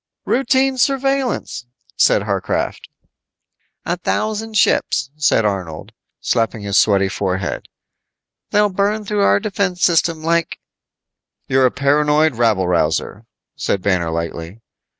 "Routine surveillance," said Warcraft. "A thousand ships," said Arnold, slapping his sweating forehead. "They'll burn through our defense system like " "You're a paranoid rabble rouser," said Banner lightly.